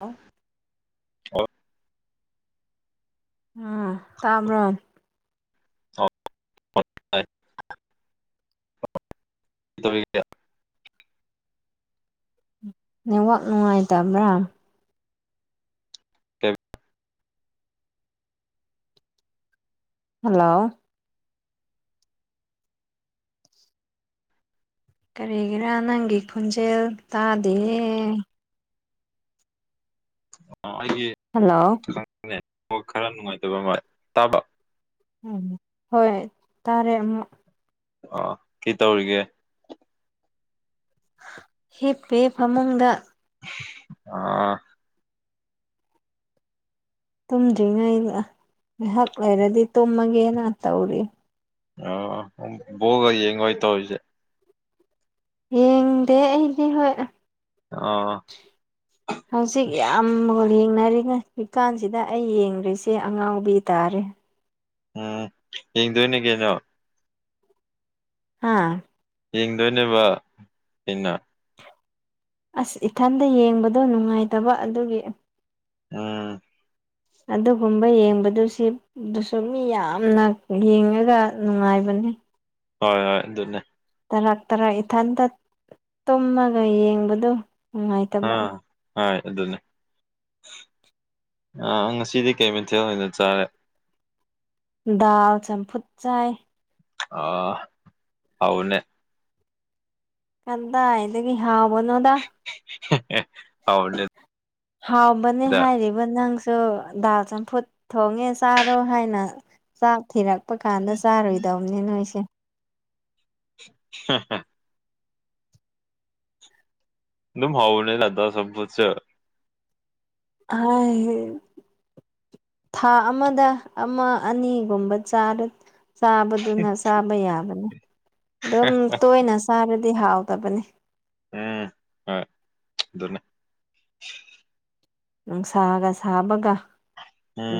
ꯑ ꯍ ꯎꯝ ꯇꯥꯃ꯭ꯔꯣꯝ ꯍ ꯍꯣꯏ [inaudible] ꯅꯦꯠꯋꯥꯛ ꯅꯨꯡꯉꯥꯏꯇꯕ꯭ꯔꯥ ꯀ ꯍꯜꯂꯣ ꯀꯔꯤꯒꯤꯔꯥ ꯅꯪꯒꯤ ꯈꯣꯟꯖꯦꯜ ꯇꯥꯗꯦꯌꯦ ꯑꯩꯒꯤ ꯍꯜꯂꯣ ꯈꯔ ꯅꯨꯡꯉꯥꯏꯇꯕ ꯑꯃ ꯇꯥꯕ ꯎꯝ ꯍꯣꯏ ꯇꯥꯔꯦ ꯑꯃꯨꯛ ꯑꯥ ꯀꯩ ꯇꯧꯔꯤꯒꯦ ꯍꯤꯞꯄꯦ ꯐꯃꯨꯡꯗ ꯑꯥ ꯇꯨꯝꯗ꯭ꯔꯤꯉꯩ ꯉꯥꯏꯍꯥꯛ ꯂꯩꯔꯗꯤ ꯇꯨꯝꯃꯒꯦꯅ ꯇꯧꯔꯤ ꯑ ꯒ ꯌꯦꯡꯡ ꯍꯣꯏ ꯇ ꯍꯧꯣꯏꯁꯦ ꯍꯡꯗꯦ ꯑꯩꯗꯤ ꯍꯣꯏ ꯑꯥ ꯍꯧꯖꯤꯛ ꯌꯥꯝ ꯌꯦꯡꯅꯔꯤꯉꯩ ꯖꯤꯀꯥꯟꯁꯤꯗ ꯑꯩ ꯌꯦꯡꯗ꯭ꯔꯤꯁꯦ ꯑꯉꯥꯎꯕꯤ ꯇꯥꯔꯦ ꯎꯝ ꯌꯦꯡꯗꯅ ꯀꯦꯩꯅꯣ ꯍꯥꯥ ꯌꯦꯡꯗꯣꯏꯅꯦꯕ ꯑꯩꯅ ꯑꯁ ꯏꯊꯟꯇ ꯌꯦꯡꯕꯗꯣ ꯅꯨꯡꯉꯥꯏꯇꯕ ꯑꯗꯨꯒꯤ ꯑꯥ ꯑꯗꯨꯒꯨꯝꯕ ꯌꯦꯡꯕꯗꯨ ꯁꯤꯗꯨꯁꯨ ꯃꯤ ꯌꯥꯝꯅ ꯌꯦꯡꯉꯒ ꯅꯨꯡꯉꯥꯏꯕꯅꯤ ꯑ ꯍꯣꯏ ꯍꯣꯏ ꯑꯗꯨ ꯑꯗꯨꯅꯦ ꯇꯔꯥꯛ ꯇꯔꯥꯛ ꯏꯊꯟꯇ ꯇꯨꯝꯃꯒ ꯌꯦꯡꯕꯗꯣ ꯅꯨꯡꯉꯥꯏꯇꯕ ꯑꯥ ꯑꯗꯨꯗꯟꯅ ꯑꯥ ꯉꯁꯤꯗꯤ ꯀꯩ ꯃꯊꯦꯜ ꯑꯣꯏꯅ ꯆꯥꯔꯦ꯫ ꯗꯜ ꯆꯝꯐꯨꯠ ꯆꯥꯏ ꯑ ꯍꯧꯎꯅꯦ ꯀꯗꯥꯏꯗꯒꯤ ꯍꯥꯎ ꯕꯅꯣꯗꯥ ꯍꯥꯎꯕꯅꯦ ꯍꯥꯎꯕꯅꯦ ꯗꯥ ꯍꯥꯏꯔꯤꯕ ꯅꯪ ꯁꯨ ꯗꯥꯜ ꯆꯝꯐꯨꯠ ꯊꯣꯡꯉꯦ ꯆꯥꯔꯣ ꯍꯥꯏꯅ ꯆꯥꯛ ꯊꯤꯔꯛ ꯀꯛꯄ ꯀꯥꯟꯗ ꯆꯥꯔꯣꯏꯗꯧꯅꯤ ꯅꯣꯏꯁꯦ ꯍ ꯍ ꯑꯗꯨ ꯑꯗꯨꯝ ꯍꯥꯎꯅꯦ ꯂꯗ ꯁꯁ ꯑ ꯊꯥ ꯑꯃꯗ ꯑꯃ ꯑꯅꯤꯒꯨꯝꯕ ꯆꯥꯔꯨ ꯆꯥꯕꯗꯨꯅ ꯆꯥꯕ ꯌꯥꯕꯅꯦ ꯑꯗꯨꯝ ꯇꯣꯏꯅ ꯆꯥꯕ ꯗꯤ ꯍꯥꯥꯎꯥꯎꯗꯕꯅꯤ ꯎꯝ ꯍ ꯑꯗꯨꯟꯅ ꯅꯨꯡꯁꯥꯒ ꯁꯥꯕꯒ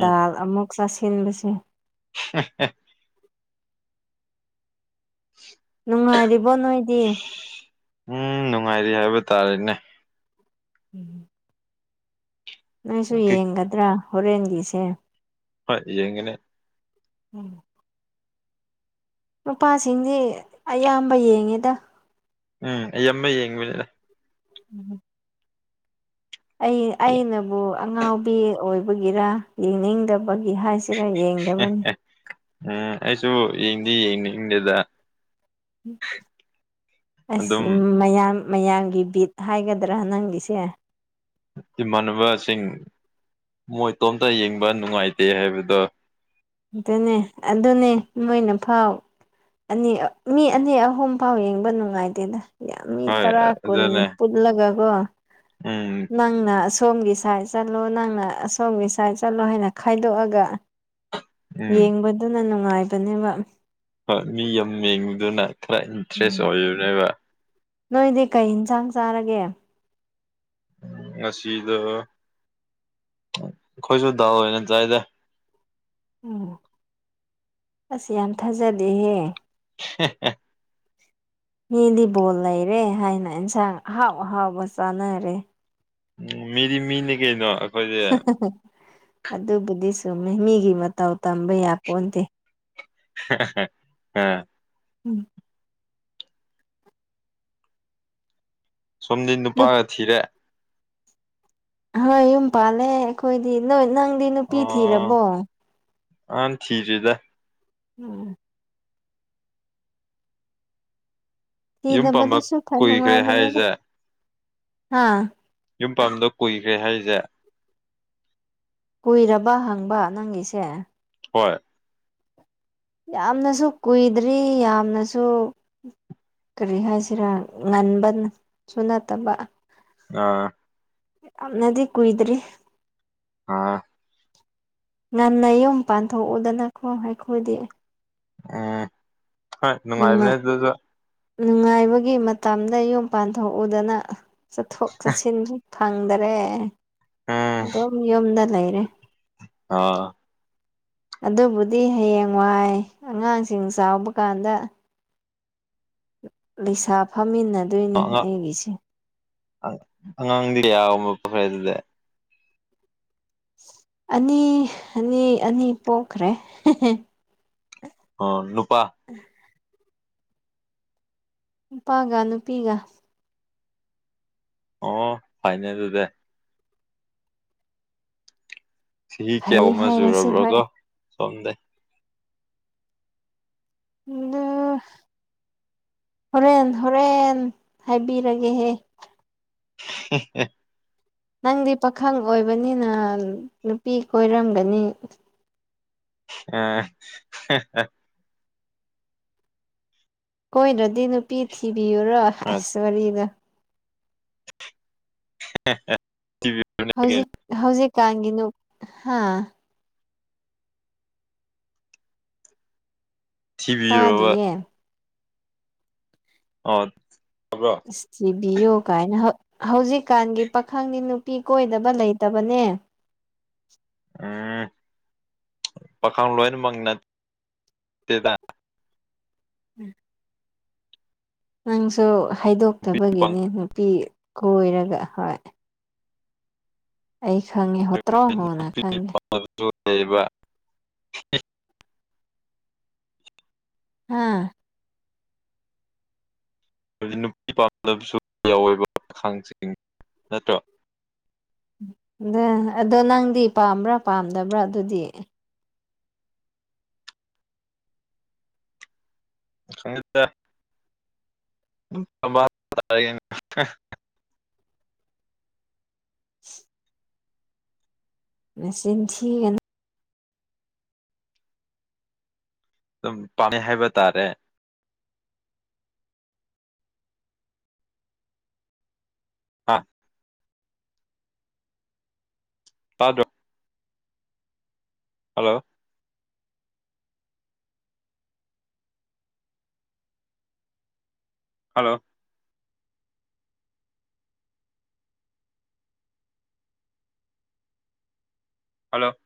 ꯗꯥꯜ ꯑꯃꯨꯛ ꯆꯥꯁꯤꯟꯕꯁꯦ ꯍꯦꯍꯦ ꯅꯨꯡꯉꯥꯏꯔꯤꯕꯣ ꯅꯣꯏꯗꯤ ꯎꯝ ꯅꯨꯡꯉꯥꯏꯔꯤ ꯍꯥꯏꯕ ꯇꯥꯔꯦꯅꯦ ꯎꯝ ꯅꯪꯁꯨ ꯌꯦꯡꯒꯗ꯭ꯔꯥ ꯍꯣꯔꯦꯟꯒꯤꯁꯦ ꯍ ꯌꯦꯅꯦ ꯎꯝ ꯅꯨꯄꯥꯁꯤꯡꯗꯤ ꯑꯌꯥꯝꯕ ꯌꯦꯡꯉꯤꯗ ꯎꯝ ꯑꯩꯃ ꯌꯦꯡꯉꯤꯕꯅꯤꯗ ꯎꯝ ꯑꯩ ꯑꯩꯅꯕꯨ ꯑꯉꯥꯎꯕꯤ ꯑꯣꯏꯕꯒꯤꯔ ꯌꯦꯡꯅꯤꯡꯗꯕꯒꯤ ꯍꯥꯏꯁꯦ ꯁꯤꯔ ꯌꯦꯡꯗꯕꯅꯤ ꯑꯦ ꯎꯝ ꯑꯩꯁꯨ ꯌꯦꯡꯗꯤ ꯌꯦꯡꯅꯤꯡꯗꯦꯗ ꯑꯁꯤ ꯑꯗꯨꯝ ꯃꯌꯥꯝ ꯃꯌꯥꯝꯒꯤ ꯕꯤꯠ ꯍꯥꯏꯒꯗ꯭ꯔꯥ ꯅꯪꯒꯤꯁꯦ ꯃꯟꯕ ꯁꯤꯡ ꯃꯣꯏꯇꯣꯝꯇ ꯌꯦꯡꯕ ꯅꯨꯡꯉꯥꯏꯇꯦ ꯍꯥꯏꯕꯗꯣ ꯑꯗꯨꯅꯦ ꯑꯗꯨꯅꯦ ꯃꯣꯏꯅ ꯐꯥꯎ ꯑꯅꯤ ꯃꯤ ꯑꯅꯤ ꯑꯍꯨꯝ ꯐꯥꯎ ꯌꯦꯡꯕ ꯅꯨꯡꯉꯥꯏꯗꯦꯗ ꯌꯥꯝꯅꯤ ꯍꯣꯏ ꯇꯔꯥ ꯀꯨꯟ ꯑꯗꯨꯅꯦ ꯄꯨꯜꯂꯒꯀꯣ ꯎꯝ ꯅꯪꯅ ꯑꯁꯣꯝꯒꯤ ꯁꯥꯏꯠ ꯆꯠꯂꯣ ꯅꯪꯅ ꯑꯁꯣꯝꯒꯤ ꯁꯥꯏꯠ ꯆꯠꯂꯣ ꯍꯥꯏꯅ ꯈꯥꯏꯗꯣꯛꯑꯒ ꯎꯝ ꯌꯦꯡꯕꯗꯨꯅ ꯅꯨꯡꯉꯥꯏꯕꯅꯦꯕ ꯃꯤ ꯌꯥꯝ ꯌꯦꯡꯕꯗꯨꯅ ꯈꯔ ꯏꯟꯇꯔꯦꯁ ꯎꯝ ꯑꯣꯏꯅꯦꯕ ꯅꯣꯏꯗꯤ ꯀꯩ ꯌꯦꯟꯁꯥꯡ ꯆꯥꯔꯒꯦ ꯉꯁꯤꯗꯨ ꯑꯩꯈꯣꯏꯁꯨ ꯗꯥꯎ ꯑꯣꯏꯅ ꯆꯥꯏꯗ ꯎꯝ ꯑꯁ ꯌꯥꯝ ꯊꯥꯖꯗꯦꯍꯦ ꯍꯦꯍꯦ ꯃꯤꯗꯤꯕꯣꯜ ꯂꯩꯔꯦ ꯍꯥꯏꯅ ꯏꯟꯁꯥꯡ ꯑꯍꯥꯎ ꯑꯍꯥꯎꯕ ꯆꯥꯅꯔꯦ ꯎ ꯝꯃꯤꯗꯤ ꯃꯤꯅꯤꯀꯩꯅꯣ ꯍꯍꯍꯑꯗꯨꯕꯨꯗꯤ ꯆꯨꯝꯃꯤ ꯃꯤꯒꯤ ꯃꯇꯧ ꯇꯝꯕ ꯌꯥ ꯄꯣꯟꯟꯗꯦ ꯍꯥꯥꯍꯍꯍ ꯎꯝ ꯁꯣꯝꯗꯤ ꯅꯨꯄꯥꯒ ꯊꯤꯔꯦ ꯍꯣꯏ ꯌꯨꯝ ꯄꯥꯜꯂꯦ ꯑꯩꯈꯣꯏꯗꯤ ꯅꯣꯏ ꯅꯪꯗꯤ ꯅꯨꯄꯤ ꯊꯤꯔꯕꯣ ꯑ ꯊꯤꯔꯤꯗ ꯎꯝ ꯌꯨꯝ ꯊꯤꯗꯕꯗꯨ ꯄꯥꯟꯕ ꯁꯨ ꯈꯔꯅ ꯀꯨꯏꯈ꯭ꯔꯦ ꯅꯨꯡꯉꯥꯏꯕꯅꯤꯗ ꯍꯥꯏꯔꯤꯁꯦ ꯍꯥꯥ ꯌꯨꯝ ꯄꯝꯗꯣ ꯀꯨꯏꯈ꯭ꯔꯦ ꯍꯥꯏꯔꯤꯁꯦ ꯀꯨꯏꯔꯕ ꯍꯪꯕ ꯅꯪꯒꯤꯁꯦ ꯍꯣꯏ ꯌꯥꯝꯅꯁꯨ ꯀꯨꯏꯗ꯭ꯔꯤ ꯌꯥꯝꯅꯁꯨ ꯀꯔꯤ ꯍꯥꯏꯁꯤꯔꯥ ꯉꯟꯕꯁꯨ ꯅꯠꯇꯕ ꯑꯥ ꯑꯝꯅꯗꯤ ꯀꯍꯤꯗ꯭ꯔꯤ ꯑꯥ ꯉꯟꯅ ꯌꯨꯝ ꯄꯥꯟꯊꯣꯛꯎꯗꯅꯈꯣ ꯍꯥꯏꯈꯣꯏꯗꯤ ꯎꯝ ꯍꯣꯏ ꯅꯨꯡꯉꯥꯏꯕꯅꯦ ꯅꯨꯡꯉꯥꯏ ꯑꯗꯨꯁꯨ ꯅꯨꯡꯉꯥꯏꯕꯒꯤ ꯃꯇꯝꯗ ꯌꯨꯝ ꯄꯥꯟꯊꯣꯛꯎꯗꯅ ꯆꯠꯊꯣꯛ ꯆꯠꯁꯤꯟꯈꯤ ꯐꯪꯗꯔꯦ ꯎꯝ ꯑꯗꯨꯝ ꯌꯨꯝꯗ ꯂꯩꯔꯦ ꯑꯥ ꯑꯗꯨꯕꯨꯗꯤ ꯍꯌꯦꯡ ꯋꯥꯏ ꯑꯉꯥꯡꯁꯤꯡ ꯆꯥꯎꯕ ꯀꯥꯟꯗ ꯂꯩꯁꯥ ꯐꯝꯃꯤꯟꯅꯗꯣꯏꯅꯦ ꯑꯩꯒꯤꯁꯦ ꯑꯉꯥꯡꯗꯤꯗꯤꯌꯥꯈꯔꯦ ꯑꯗꯨꯗ ꯑꯅꯤ ꯑꯅꯤ ꯑꯅꯤ ꯄꯣꯛꯈ꯭ꯔꯦ ꯑꯣ ꯅꯨꯄꯥ ꯅꯨꯄꯥꯒ ꯅꯨꯄꯤꯒ ꯑꯣ ꯐꯥꯏꯅꯦꯜ ꯗ ꯆꯍꯤ ꯀꯌꯥ ꯋꯥ ꯐꯩ ꯑꯃ ꯍꯥꯏꯔꯁꯤ ꯍꯣꯏ ꯆꯨꯔꯕ꯭ꯔꯒꯣ ꯁꯣꯝꯗ ꯑ ꯍꯣꯔꯦꯟ ꯍꯣꯔꯦꯟ ꯍꯥꯏꯕꯤꯔꯒꯦꯍꯦ [inaudible] ꯅꯪꯗꯤ ꯄꯥꯈꯪ ꯑꯣꯏꯕꯅꯤꯅ ꯅꯨꯄꯤ ꯀꯣꯏꯔꯝꯒꯅꯤ ꯑ ꯀꯣꯏꯅꯗꯤ ꯅꯨꯄꯤ ꯊꯤꯕꯤꯌꯨꯔꯣ ꯑꯁ ꯋꯥꯔꯤꯗ [inaudible] ꯍꯧꯖꯤꯛ ꯍꯧꯖꯤꯛ ꯀꯒꯤꯅ ꯍꯥꯥ ꯊꯤꯕꯤꯔꯕ ꯇꯥꯗꯤꯌꯦ ꯑꯣ ꯇꯥꯕ꯭ꯔꯣ ꯑ ꯊꯕꯤꯌꯨ ꯀꯥꯏꯅ ꯍꯧꯖꯤꯛꯀꯥꯟꯒꯤ ꯄꯥꯈꯪꯅꯤ ꯅꯨꯄꯤ ꯀꯣꯏꯗꯕ ꯂꯩꯇꯕꯅꯦ ꯎꯝ ꯄꯥꯈꯪ ꯂꯣꯏꯅꯃꯛ ꯅꯠꯇꯦ ꯇ ꯎꯝ ꯅꯪꯁꯨ ꯅꯨꯄꯤ ꯄꯥꯝ ꯍꯥꯏꯗꯣꯛꯇꯕꯒꯤꯅꯤ ꯅꯨꯄꯤ ꯈꯣꯏꯔꯒ ꯍꯣꯏ ꯑꯩ ꯈꯪꯉꯦ ꯍꯣꯠꯇ꯭ꯔꯣ ꯍꯣꯅ ꯈꯪꯉꯦ ꯂꯩꯔꯤꯕꯔꯤꯕ ꯑꯥ ꯅꯨꯄꯤ ꯄꯥꯝꯂꯕꯁꯨ ꯌꯥꯎꯋꯦꯕꯈꯥꯡꯁꯤꯡ ꯅꯠꯇ꯭ꯔꯣ ꯑ ꯑꯗꯣ ꯅꯪꯗꯤ ꯄꯥꯝꯕ꯭ꯔꯥ ꯄꯥꯝꯗꯕ꯭ꯔꯥ ꯑꯗꯨꯗꯤ ꯁꯠꯇ [inaudible] ꯃꯁ ꯊꯒꯅ ꯑꯗꯨꯝ ꯄꯥꯝꯃꯦ ꯍꯥꯏꯕ ꯇꯥꯔꯦ ꯑꯥ ꯇꯥꯗ꯭ꯔꯣ ꯍꯜꯂꯣ ꯍꯜꯂꯣ ꯍꯜꯂꯣ